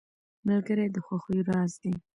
ملګری د خوښیو راز دی.